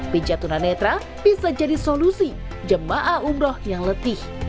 pinja tunanetra bisa jadi solusi jemaah umroh yang letih